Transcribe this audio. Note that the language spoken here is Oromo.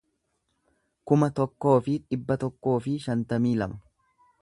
kuma tokkoo fi dhibba tokkoo fi shantamii lama